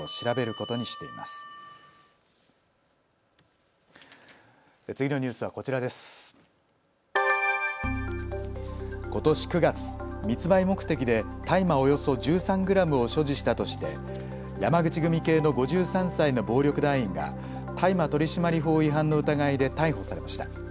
ことし９月、密売目的で大麻およそ１３グラムを所持したとして山口組系の５３歳の暴力団員が大麻取締法違反の疑いで逮捕されました。